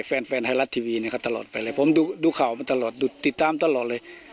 แฟนไทยรัสทีวีเนี่ยก็ตลอดไปเลยผมดูข่าวมาตลอดดูติดตามตลอดเลย